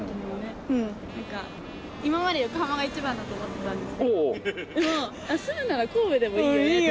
なんか今まで横浜が一番だと思ってたんですけどでも住むなら神戸でもいいよねって。